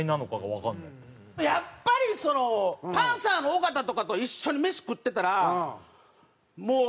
やっぱりそのパンサーの尾形とかと一緒にメシ食ってたらもう。